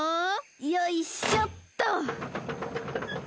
よいしょっと。